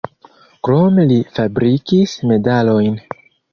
Krome li fabrikis medalojn.